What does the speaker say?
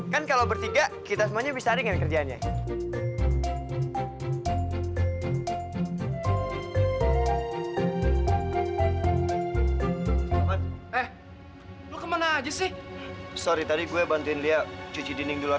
kan kalau bertiga kita semuanya bisa ringan kerjaannya